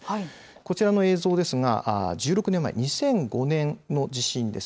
こちらの映像ですが、１６年前、２００５年の地震です。